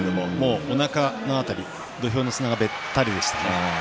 おなかの辺り土俵の砂がべったりでした。